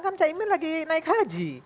kan caimin lagi naik haji